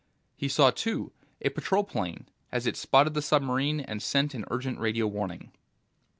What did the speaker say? He saw, too, a patrol plane as it spotted the submarine and sent an urgent radio warning.